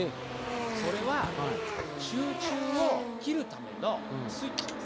それは集中を切るためのスイッチです。